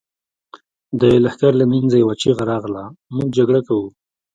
د لښکر له مينځه يوه چيغه راغله! موږ جګړه کوو.